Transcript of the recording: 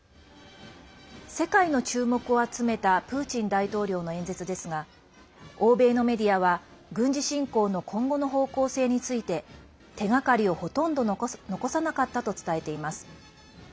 世界の注目を集めたプーチン大統領の演説ですが欧米のメディアは軍事侵攻の今後の方向性について手がかりをほとんど残さなかったと伝えています。